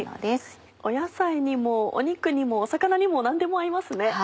野菜にも肉にも魚にも何でも合いますね。